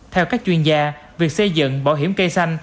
theo các chuyên gia việc xây dựng bảo hiểm cây xanh